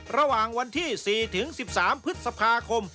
ระหว่างวันที่๔ถึง๑๓พฤษภาคม